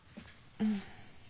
うん。